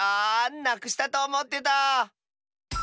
なくしたとおもってた。